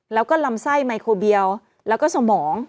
แล้วก็ลำไส้ไมโครเบียลแล้วก็สมอง